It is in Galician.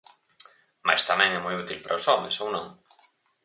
Mais tamén é moi útil para os homes, ou non?